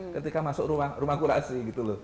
ketika masuk rumah kurasi gitu loh